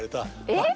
えっ？